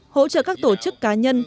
hỗ trợ các tổ chức cá nhân